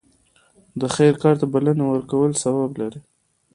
د خیر کار ته بلنه ورکول ثواب لري.